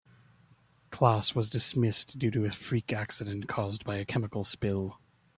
Class was dismissed due to a freak incident caused by a chemical spill.